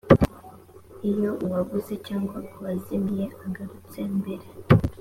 iyo uwabuze cyangwa uwazimiye agarutse mbere